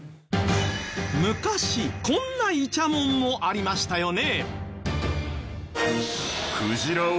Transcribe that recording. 昔こんなイチャモンもありましたよね。